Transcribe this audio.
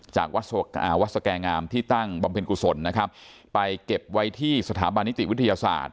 วัดสแก่งามที่ตั้งบำเพ็ญกุศลนะครับไปเก็บไว้ที่สถาบันนิติวิทยาศาสตร์